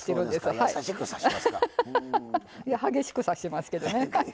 あはは激しく刺しますけどね。